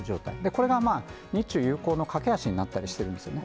これが日中友好の懸け橋になったりしてるんですよね。